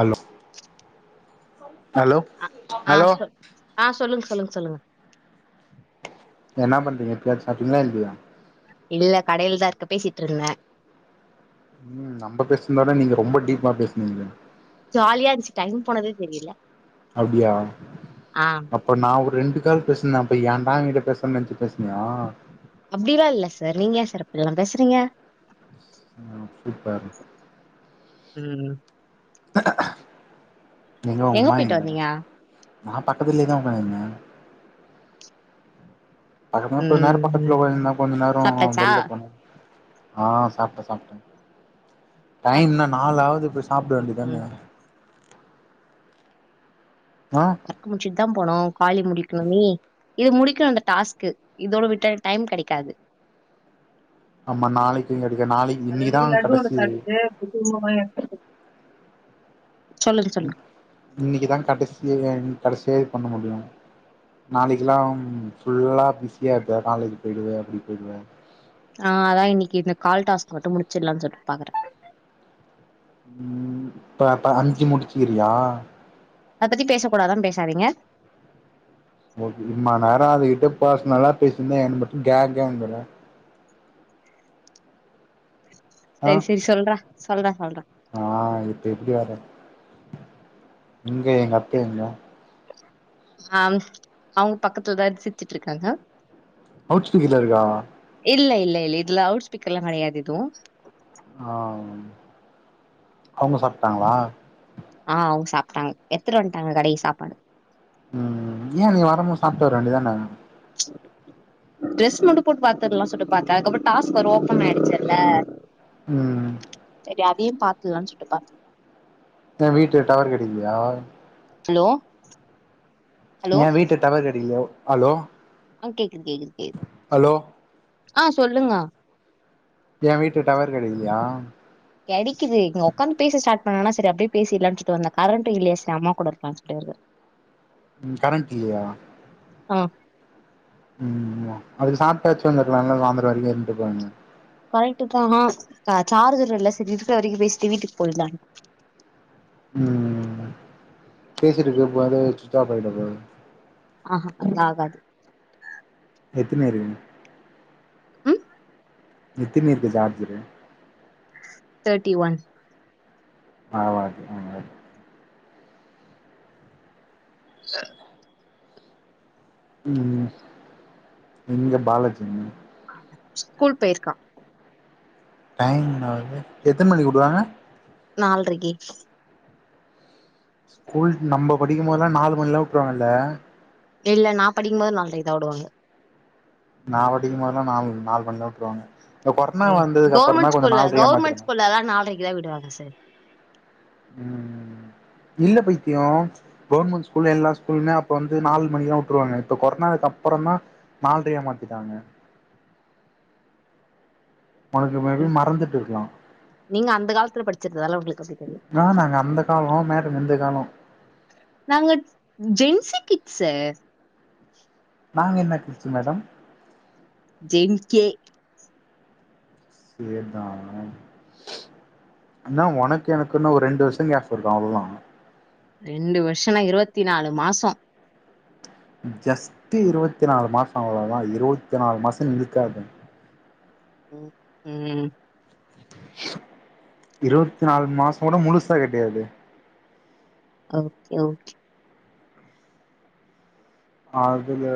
Allow hello ஆ ஆ hello சொ ஆ சொல்லுங்க சொல்லுங்க சொல்லுங்க என்ன பண்றிங்க இப்பயாச்சு சாப்பிடிங்களா இல்லியா இல்ல கடையில தா இருக்க பேசிட்ருந்த ம் நம்ம பேசுனத விட நீங்க ரொம்ப டீப்பா பேசுனீங்களே ஜாலியா இருந்துச்சு டைம் போனதே தெரியல அப்டியா ஆ அப் ப நா ஒரு ரெண்டு கால் பேசுனே அப்ப ஏன்டா இவன்கிட்ட பேசுனனு நெனச்சி பேசுனியா அப்டிலா இல்ல சார் நீங்க சார் இப்டில்லா பேசுறீங்க ம் சூப்பர் ம் எங்க உங்க அம்மா போயிட்டு எங்க வந்தீங்க நா பக்கத்திலே தா உக்காந்துனுந்தே அதுக்கப்ரோ கொஞ்ச நேரோ ம் பக்கத்துல ம் ஒக்காந்துருந்தே கொஞ்ச நேரோ சாப்ட்டாச்சா வெல்ல போன ஆ சாப்ட சாப்ட டைம்னா நாலாவது போய் சாப்ட ம் வேண்டிதான ம் அ [unintelligible] முடிச்சுட்டு தா போனோ குவாலி முடிக்கணுமே இது முடிக்கணு இந்த டாஸ்க்கு இதோட விட்ட டைம் கெடைக்காது ஆமா நாளைக்கு கெடைக்கு நாளைக் அது வரைக்கு லட்டு ஒன்னு சாப்ட்டுட்டு புது [unintelligible] இன்னக்கி தா கடைசிய [unintelligible] கடைசி வரைக்கு பண்ண முடியு நாளைக்குலா ஃபுல்லா பிஸியா இருப்ப காலேஜ் போயிடுவ அப்டி போயிடுவ ஆ அதா இன்னக்கி இந்த கால் டாஸ்க் மட்டு முடிச்சிலானு சொல்ட்டு பாக்குற ம் இப்ப அப்ப அஞ்சு முடிச்சிக்கிறியா அத பத்தி பேசக்கூடாதா பேசாதீங்க ஓகே இம்மா நேரோ அதுகிட்ட பர்ஸ்னலா பேசிருந்தேன் என் மட்டு கேக்கேங்குற ஆ செரி செரி சொல்ற சொல்ற சொல்ற ஆ இப்ப எப்டி வற எங்க எங்க அத்த எங்க ஆ அவுங்க பக்கத்துலதா சிச்சுட்டுருக்காங்க லவ்வுட் ஸ்பீக்கர்ல இருக்கா இல்ல இல்ல இல்ல இதுல லவுட்ஸ்பீக்கர்ல்லா கெடையாது எதுவு ஆம் அவுங்க சாப்டாங்களா ஆ அவுங்க சாப்டாங்க எடுத்துட்டு வன்டாங்க கடைக்கு சாப்பாடு ம் ஏ நீ வரும் போது சாப்டு வர வேண்டிதானே ட்ரெஸ் மட்டு போட்டு பாத்துர்லா சொல்ட்டு பாத்தே அதுகப்புறோ டாஸ்க் பாரு ஓப்பன் ஆய்டுச்சுல்ல ம் செரி அதையு பாத்துல்லான்னு சொல்ட்டு பாத்தே இந்த வீட்டு டவர் கெடைக்கிளயா ஹலோ ஹலோ. ஏ வீட்ட டவர் கெடக்லயா ஹலோ ஆ கேக்குது கேக்குது கே ஹலோ ஆ சொல்லுங்க ஏ வீட்ல டவர் கெடக்லயா கெடக்கிது இங்க ஒக்காந்து பேச ஸ்டார்ட் பண்ணனா சரி அப்டியே பேசிட்லான்னு சொல்டு வந்த கரண்ட் இல்லயா சரி அம்மா கூட இருக்லான்னு சொல்ட்டு வந்தே ம் கரண்ட் இல்லியா ஆ ம் அதுக்கு சாப்பிட்டாச்சு வந்திருக்கலால்ல சாந்தோர வரைக்கு இருந்துட்டு போலானு கரெக்ட்டுதா ஆனா சார்ஜர் இல்ல சரி இருக்குற வரைக்கு பேசிட்டு வீட்டுக்கு போயிலான்னு ம் பேசிட்டு இருக்குப்ப வேர சுச்சாப்பு ஆயிட போது ஆ ஹ அப்புல்லா ஆகாது எத்தன இருக்குது ம் எத்தினி இருக்கு சார்ஜ்ரு தேட்டி ஒன் பரவால்லியே ம் ல்ல ம் ம் எங்க பாலாஜி எங்க ஸ்கூல் போயிருக்கா டைம் என்னாவுது எத்தன் மணிக்கு உடுவாங்க நால்ரக்கு ஸ்கூல் நம்ப படிக்கும்போதெல்லா நாலு மணில்லா உட்ருவாங்கல்ல இல்ல நா படிக்கும்போது நால்ரக்குதா உடுவாங்க நா படிக்கும்போதுலா நாலு நாலு மணிலா உட்றுவாங்க சேரி கவுர்மெண்ட் ஸ்கூல்ல கவர்மெண்ட் மாத்திருங்க ஸ்கூல்லல்லா நால்ரக்குதா விடுவாங்க சார் ம் ம் இல்ல பைத்திய கவர்மெண்ட் ஸ்கூல்ல எல்லா ஸ்கூலுமே அப்ப வந்து நாலு மணிலா உட்ருவாங்க இப்ப கொரோனாக்கு அப்புறதா நால்ரையா மாத்திட்டாங்க உனக்கு மேபி மறந்துட்டு இருக்கலா நீங்க அந்த காலத்துல படிச்சிருதல்லா உங்களுக்கு அப்டி தெரியு ஆனா நாங்க அந்த காலோ மேடம் இந்த காலோ நாங்க ஜென் சி கிட்ஸு நாங்க என்ன கிட்ஸ் மேடம் ஜென் கே கேதா [unintelligible] என்னா ஒனக்கு எனக்கு இன்னு ஒரு ரெண்டு வருஷ கேப் இருக்கு அவ்ளோதா ரெண்டு வருஷனா இருபத்தி நாலு மாச ஜஸ்ட்டு இருவத்தி நாலு மாச அவ்ளோதா இருவத்தி நாலு மாசன் இழுக்காத ம் இருவத்தி நாலு மாசோ கூட முழுசா கெடையாது ஓகே ஓகே அதுல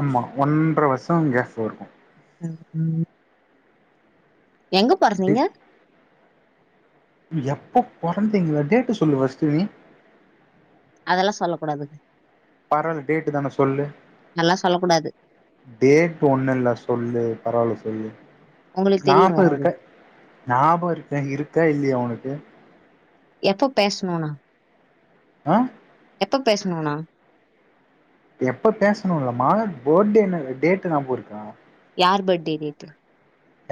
ஆமா ஒன்ற வர்ஷோ கேஃப் இருக்கு ம் ம் எங்க பொறந்தீங்க எப்ப பொறந்தீங்களா டேட்டு சொல்லு ஃபஸ்ட்டு நீ அதல்லா சொல்ல கூடாதுங்க பரவால்ல டேட்டு தான சொல்லு அதல்லா சொல்ல கூடாது டேட்டு ஒண்ணு இல்ல சொல்லு பரவால்ல சொல்லு உங்களுக்கு தெரியுங்க நாப்பது அது இருக்க ஞாபகோ இருக்கா இருக்கா இல்லயா ஒனக்கு எப்ப பேஸ்ணோனா ஆ எப்ப பேஸ்ணோனா எப்ப பேஸ்ணோ இல்ல மாத பார்ட்டே என்ன டேட்டு ஞாபகோ இருக்கா யார் பர்ட்டே டேட்டு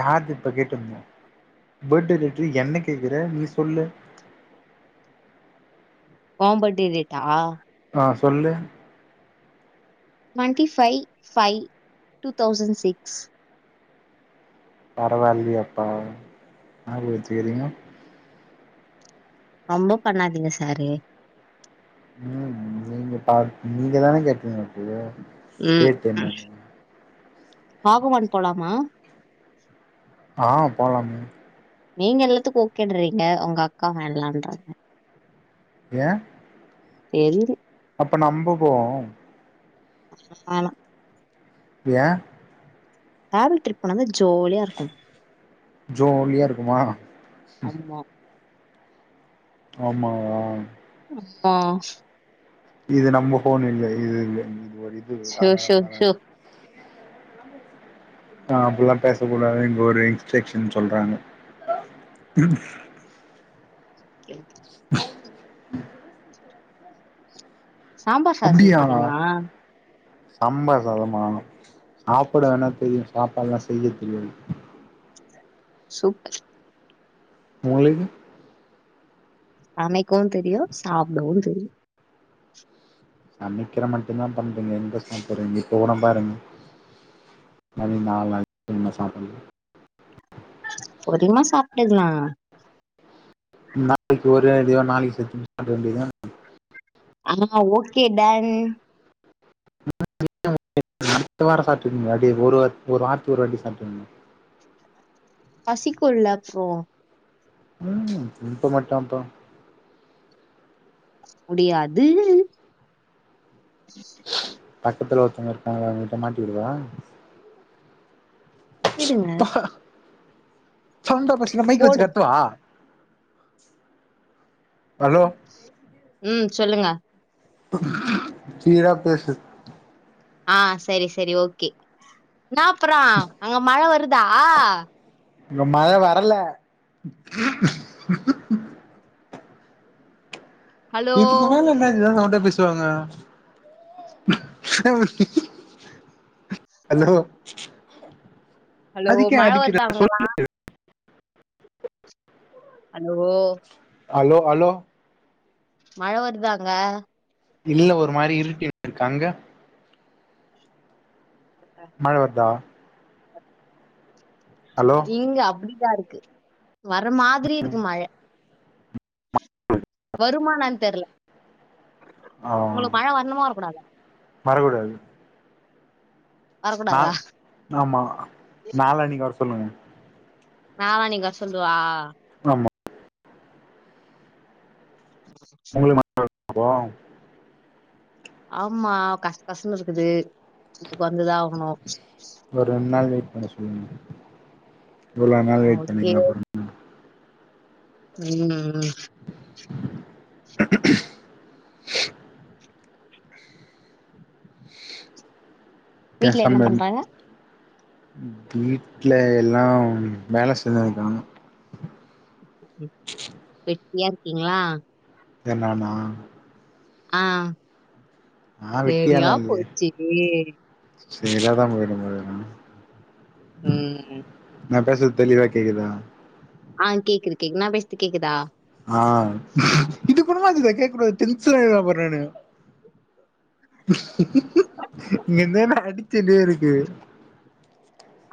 யாருது இப்ப கேட்ருந்தே பர்ட்டே டேட்டு என்ன கேக்குற நீ சொல்லு ஒ பர்ட்டே டேட்டா அ சொல்லு twenty five five two thousand six பரவாயில்லையப்பா ஞாபகோ வச்சிகிறிங்கோ ரொம்ப பண்ணாதீங்க சாரு ம் நீங்க பா நீங்க தான கேட்டிங்க எப்பயோ ம் பாகவன் போலாமா ஆ போலாமே நீங்க எல்லாத்துக்கு ஓகேன்றிங்க ஒங்க அக்கா வேணான்றாங்க ஏ தெரில அப்ப நம்ப போவோ வேனா ஏ டிராவல் ட்ரிப் போன தா ஜாலியா இருக்கும் ஜோலியா இருக்குமா ஆமா ஆமாவா அம்மா இது நம்ப ஃபோன் இல்ல இது இல்ல இது ஒரு இது ஷோ ஷோ ஷோ. [unintelligible] நா அப்டிலா பேசக்கூடாதுன் இங்க ஒரு இன்ஸ்ட்ரக்சன் சொல்றாங்க ம் சாம்பார் சாதொ செய்ய அப்டியா தெரியுமா சாம்பார் சாதமா சாப்ட வேணா தெரியு சாப்பாடல்லா செய்ய தெரியாது சூப் உங்களுக்கு சமைக்கவு தெரியு சாப்படவு தெரியு சமைக்கிற மட்டுந்தா பண்றிங்க எங்க சாப்புறிங்க இப்ப ஒடம்ப பாருங்க மணி நால் ஆச்சு இன்னு சாப்புல்லா பொறிமையா சாப்ட்டுகலா நாளைக்கு ஒரே அடியா நாளைக்கு செத்து சாப்பிடா வேண்டியதுதான ஆமா ஓகே டன் [inaudible] அடுத்த வார சாப்பிட்டுகங்க அப்டி ஒரு ஒரு வார்த்துக்கு ஒரு வாட்டி சாப்ட்டுகங்க பசிக்குள்ள அப்றோ ம் இப்ப மட்டு அப்பா முடியாது பக்கத்துல ஒருத்தவங்க இருக்காங்க அவங்ககிட்ட மாட்டிவுடவா ஸ் விடுங்க. அப்பா செந்த பசில மைக்கு வச்சு போடுங்க. கத்தவா ஹலோ ம் சொல்லுங்க சீரா பேசு ஆ சேரி சேரி ஓகே நா அப்ற அங்க மழ வருதா இங்க மழ வரல ஹலோ எப்ப பாத்தாலு என்ன ஏதோ சவுண்டா பேசு வாங்க [unintelligible] ஹலோ ஹலோ அதுக்கே மழை அடிக்கிற வருதாங்களா சொல்லு அலோ அலோ அலோ மழ வருதாங்க இல்ல ஒரு மாரி இருடிட்ருக்கு அங்க மழ வருதா ஹலோ இங்க அப்டிதா இருக்கு வர மாரி இருக்கு மழ வருமான்னானு தெர்ல ஆ வரணுமா வரக்கூடாதா வர கூடாது நா வரக்கூடாதா ஆமா நாலாண்ணைக்கு வர சொல்லுங்க நாளாண்ணைக்கு வர சொல்லவா ஆமா உங்கள [inaudible] ஆமா கஷ் கஷ்னு இருக்குது அதுக்கு வந்துதா ஆகணு ஒரு ரெண்டு நாள் வெயிட் பண்ண சொல்லுங்க இவ்ளோ நாள் வெயிட் ஓகே பண்ணீங்க அப்பறோ ம் ம் [inaudible] வீட்ல பேசாம என்ன இரு பண்றாங்க வீட்ல எல்லா வேல செஞ் இருக்காங்க வெட்டியா இருக்கீங்களா யார் நானா ஆ நா சரியா போச்சு சல தா போரும் போது [unintelligible] ம் நா போசுறது தெளிவா கேக்குதா ஆ கேக்குது கேக்குது நா பேசுறது கேக்குதா ஆ இதுக்குணமா திதா வெக்கேட் பண்ரது டென்ஷன் ஆயிருவே அப்பரோ நானு நீந்தான் என்ன அடிச்சிட்டே இருக்கு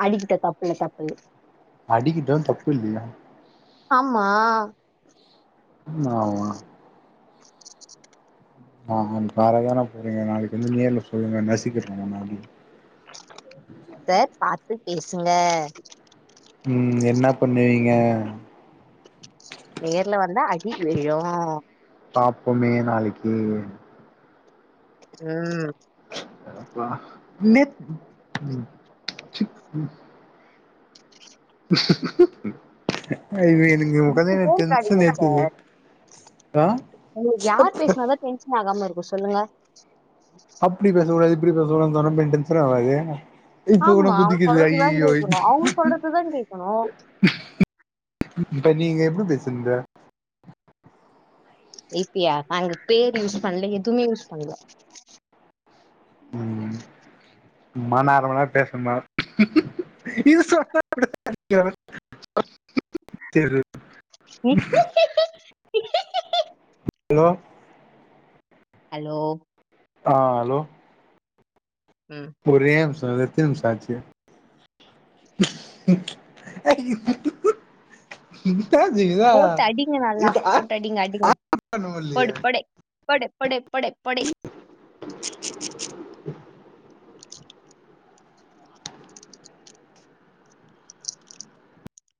அடிக்கிட்டு தப்புல தப்புல அடிக்கிட்டு தப்பு இல்லையா ஆமா ஆமாவா ஆக்குற தானே போறங்க புடிங்க நாளைக்கு வந்து நேரில் சொல்லுங்க நசுக்கறேங்க நானு சார் பாத்து பேசுங்க ம் என்னா பண்ணுவீங்க நேர்ல வந்தா அடி விழு பாப்போமே நாளைக்கு ம் அப்ப நெத் [inaudible] இது இங்க உக்காந்துனு என்ன சிரிச்சுட்டே டென்ஷன் இருக்காதீங்க சார் ஏத்துது ஆ உங்களுக்கு யார் பேசுனாதா டென்ஷன் ஆகாம இருக்கு சொல்லுங்க அப்டி பேசக்கூடாது இப்டி பேச கூடாது சொன்னா டென்ஷன் ஆகாது ஆமா அவங்க சொல்றது தா கேட்கணு அவங்க சொல்றதுதா கேட்கணு இப்ப நீங்க எப்டி பேசுரிங்க இப்பியா நாங்க பேர் யூஸ் பண்ணல எதுவுமே யூஸ் பண்ணல ம் சும்மா அரமண் நேர் பேசுமா இது சொன்னா [inaudible] தெரு ஹலோ ஹலோ ஆ ஹலோ ம் ஒரே நிமசோ எத்தன நிமசோ ஆச்சு அ போட்டு அடிங்க நல்லா இது ஆட் போட்டு அடிங்க அடிங்க பண்ண முடியலையே போடு போடு போடு போடு போடு போடே